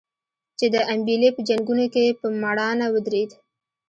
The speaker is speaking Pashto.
چې د امبېلې په جنګونو کې په مړانه ودرېد.